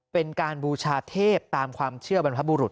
เป็นการเบีราณเชื่อบรรพบุรุษ